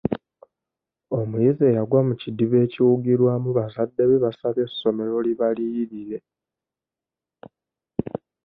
Omuyizi eyagwa mu kidiba ekiwugirwamu bazadde be basabye essomero libaliyirire.